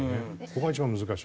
ここが一番難しい。